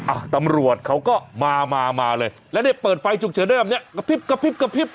อ่ะตำรวจเขาก็มามาเลยแล้วเนี่ยเปิดไฟฉุกเฉินได้แบบเนี้ยกระพริบกระพริบกระพริบ